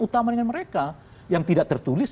utama dengan mereka yang tidak tertulis